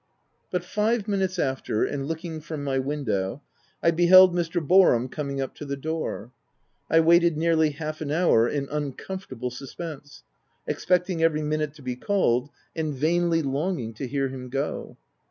But five minutes after, in looking from my window, I beheld Mr. Boarham coming up to the door. I waited nearly half an hour in uncomfortable suspense, expecting every minute to be called, and vainly longing to hear him go.